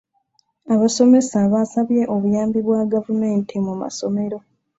Abasomesa baasabye obuyambi bwa gavumenti mu masomero.